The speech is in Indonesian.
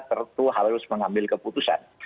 harus mengambil keputusan